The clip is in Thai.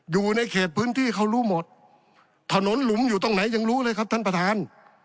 อยู่ในเขตพื้นที่เขารู้หมดถนนหลุมอยู่ตรงไหนยังรู้เลยครับท่านประธาน